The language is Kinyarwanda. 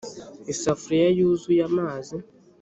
isafuriya yuzuye amazi,